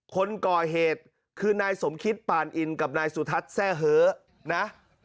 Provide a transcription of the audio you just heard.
คนก่อเหตุคือนายสมคิดปานอินกับนายสุทัศน์แทร่เห้อนะ